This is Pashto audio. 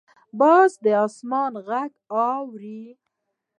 باز د اسمان غږ اوري